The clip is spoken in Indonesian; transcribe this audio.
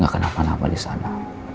gak kena apa apa disana